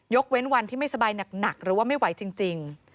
เว้นวันที่ไม่สบายหนักหรือว่าไม่ไหวจริง